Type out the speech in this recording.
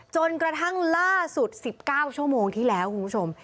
จนกระทั่งล่าสุด๑๙ชั่วโมงที่แล้วคุณผู้ชม